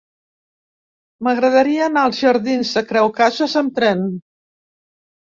M'agradaria anar als jardins de Creu Casas amb tren.